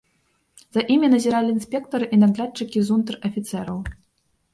За імі назіралі інспектары і наглядчыкі з унтэр-афіцэраў.